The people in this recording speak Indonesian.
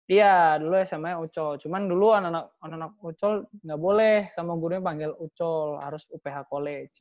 iya dulu sma nya ucol cuman dulu anak anak ucol gak boleh sama gurunya panggil ucol harus uph college